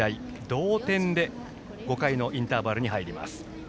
同点で５回のインターバルに入ります。